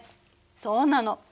そうなの。